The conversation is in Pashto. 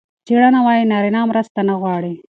څېړنه وايي نارینه مرسته نه غواړي.